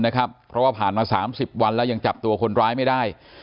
เพราะว่าผ่านมา๓๐วันแล้วยังจับตัวคนร้ายไม่ได้